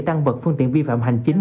tăng vật phương tiện vi phạm hành chính